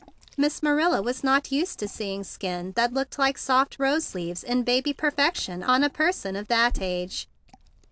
Miss Marilla was not used to seeing a skin that looked like soft rose leaves in baby perfection on a person of that age.